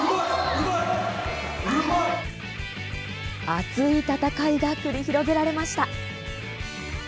熱い戦いが繰り広げられました。